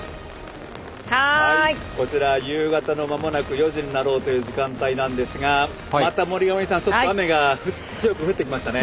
こちら、まもなく夕方４時になろうかという時間帯なんですが森上さん、また雨が強く降ってきましたね。